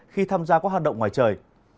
khi tham gia các hoạt động ngoài trời